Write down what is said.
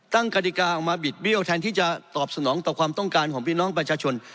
กฎิกาออกมาบิดเบี้ยวแทนที่จะตอบสนองต่อความต้องการของพี่น้องประชาชน